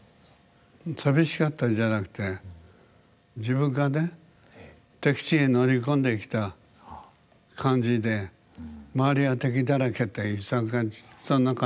さみしかったんじゃなくて自分がね敵地に乗り込んできた感じで周りは敵だらけってそんな感じがね